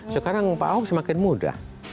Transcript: sekarang pak ahok semakin mudah